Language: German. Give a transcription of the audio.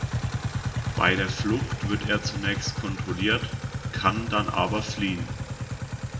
Bei der Flucht wird er zunächst kontrolliert, kann dann aber fliehen.